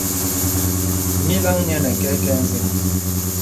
Nyìlaŋ nyə̄ nə kɛkɛ ǹzən.